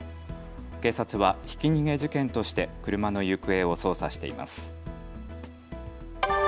警察はひき逃げ事件として車の行方を捜査しています。